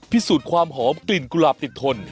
พิสูจน์ความหอมกลิ่นกุหลาบติดทน